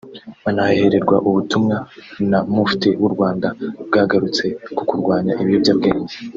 banahahererwa ubutumwa na Mufti w’u Rwanda bwagarutse ku kurwanya ibiyobyabwenge